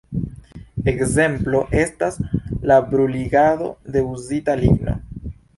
Ekzemplo estas la bruligado de uzita ligno.